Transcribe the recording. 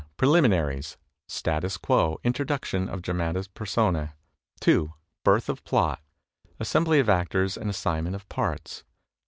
Preliminaries. Status quo. Introduction of dramatis personae. 2. Birth of Plot. Assembly of actors and assignment of parts.